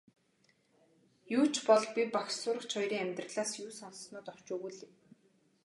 Юу ч бол би багш сурагч хоёрын амьдралаас юу сонссоноо товч өгүүлье.